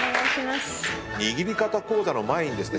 握り方講座の前にですね